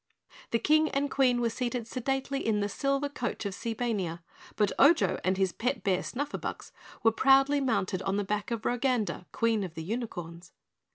The King and Queen were seated sedately in the Silver Coach of Seebania, but Ojo and his pet bear Snufferbux were proudly mounted on the back of Roganda, Queen of the Unicorns.